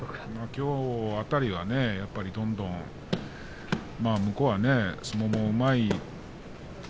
きょう辺りはどんどん向こうは相撲もうまい。